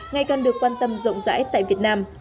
ngày càng được quan tâm rộng rãi tại việt nam